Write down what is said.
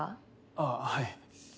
あぁはい。